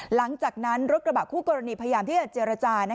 หลังจากนั้นรถกระบะคู่กรณีพยายามที่จะเจรจา